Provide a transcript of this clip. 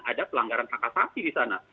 ada pelanggaran akasasi disana